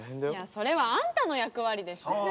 いやそれはあんたの役割でしょ？